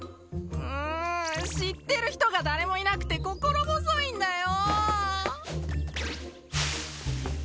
ん知ってる人が誰もいなくて心細いんだよ